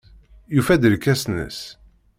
Yufa-d irkasen-nnes.